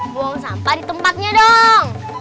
buang sampah di tempatnya dong